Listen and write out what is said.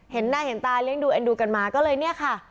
เห็นหน้าเห็นตาเลี้ยงดูเอ็นดูกันมาก็เลยเนี่ยค่ะ